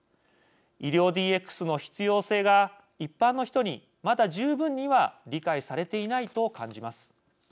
医療ＤＸの必要性が一般の人にまだ十分には理解されていないと感じます。